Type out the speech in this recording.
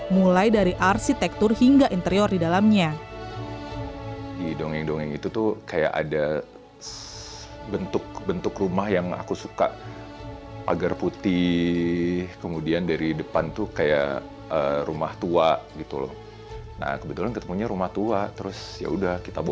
mulai dari arsitektur hingga interior di dalamnya